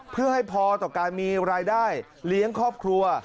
เพื่อให้พอต่อการมีรายได้เลี้ยงครอบครัว